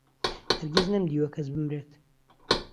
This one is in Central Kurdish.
هەرگیز نەمدیوە کەس بمرێت